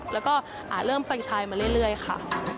แล้วก็เริ่มเฟรงชายมาเรื่อยค่ะ